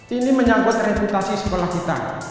ini menyangkut reputasi sekolah kita